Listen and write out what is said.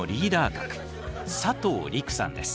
格佐藤陸さんです。